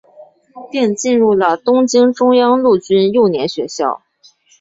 并进入了东京中央陆军幼年学校。